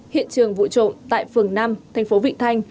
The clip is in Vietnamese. hiện trường vụ trộm tại phường năm tp vịnh thanh